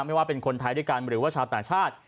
ว่าเป็นคนไทยด้วยกันหรือว่าชาวต่างชาติ